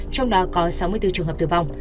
trong đó có sáu mươi bốn trường hợp tử vong